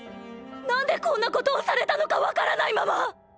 何でこんなことをされたのかわからないまま。